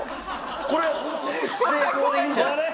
これほぼほぼ成功でいいんじゃないですか？